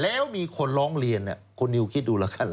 แล้วมีคนร้องเรียนคุณนิวคิดดูแล้วกันเหรอ